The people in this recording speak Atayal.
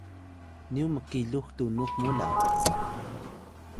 Sayun: nyu mkilux tunux mu la